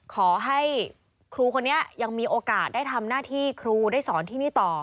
ขอให้ครูคนนี้ยังมีโอกาสได้ทำหน้าที่ครูได้สอนที่นี่ต่อ